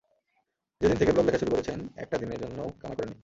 যেদিন থেকে ব্লগ লেখা শুরু করেছেন, একটা দিনের জন্যও কামাই করেননি।